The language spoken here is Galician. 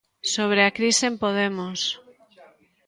Sobre a crise en Podemos.